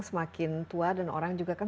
semakin tua dan orang juga kan